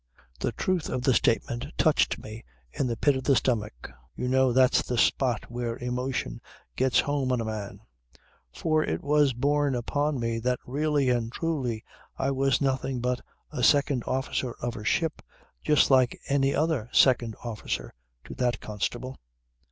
"The truth of the statement touched me in the pit of the stomach (you know that's the spot where emotion gets home on a man) for it was borne upon me that really and truly I was nothing but a second officer of a ship just like any other second officer, to that constable.